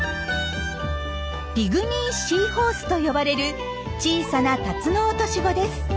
ピグミーシーホースと呼ばれる小さなタツノオトシゴです。